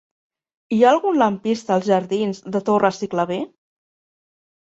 Hi ha algun lampista als jardins de Torres i Clavé?